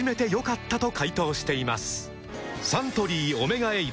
サントリー「オメガエイド」